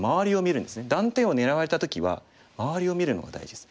断点を狙われた時は周りを見るのが大事です。